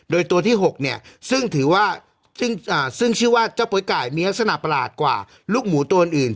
โดยตัวที่๖เนี่ยซึ่งถือว่าซึ่งชื่อว่าเจ้าโป๊ไก่มีลักษณะประหลาดกว่าลูกหมูตัวอื่น